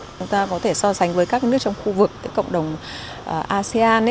chúng ta có thể so sánh với các nước trong khu vực cộng đồng asean